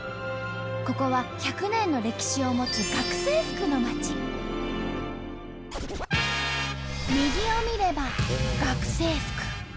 ここは１００年の歴史を持つ右を見れば「学生服」。